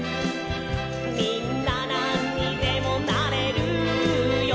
「みんななんにでもなれるよ！」